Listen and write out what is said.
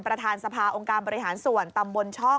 ประธานสภาองค์การบริหารส่วนตำบลช่อง